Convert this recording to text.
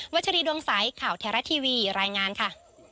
วัชฎีดวงสายข่าวแถรท์ทีวีรายงานค่ะ